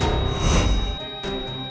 kamu juga harus kuat